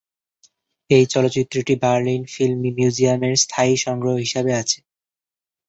এই চলচ্চিত্রটি Berlin film museum এর স্থায়ী সংগ্রহ হিসেবে আছে।